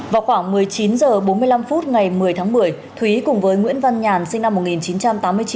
vào khoảng một mươi chín h bốn mươi năm phút ngày một mươi tháng một mươi thúy cùng với nguyễn văn nhàn sinh năm một nghìn chín trăm tám mươi chín